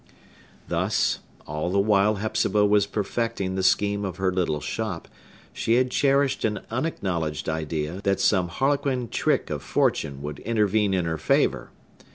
Thus, all the while Hepzibah was perfecting the scheme of her little shop, she had cherished an unacknowledged idea that some harlequin trick of fortune would intervene in her favor.